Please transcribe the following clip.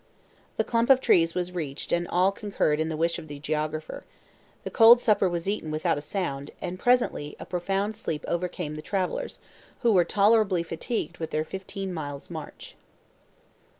The clump of trees was reached and all concurred in the wish of the geographer. The cold supper was eaten without a sound, and presently a profound sleep overcame the travelers, who were tolerably fatigued with their fifteen miles' march.